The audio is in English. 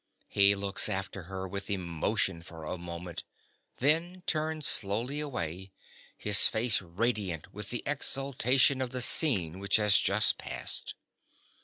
He looks after her with emotion for a moment, then turns slowly away, his face radiant with the exultation of the scene which has just passed.